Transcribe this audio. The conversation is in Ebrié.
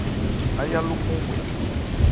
Áyá lókɔn wɛ.